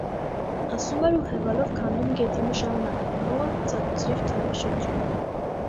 Ասում էր ու հևալով քանդում գետինը շարունակ, հողը ցաքուցրիվ տալով շուրջը: